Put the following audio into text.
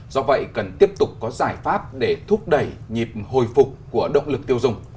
do vậy cần tiếp tục có giải pháp để thúc đẩy nhịp hồi phục của động lực tiêu dùng